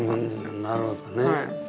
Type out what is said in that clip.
うんなるほどね。